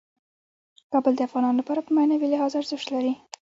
کابل د افغانانو لپاره په معنوي لحاظ ارزښت لري.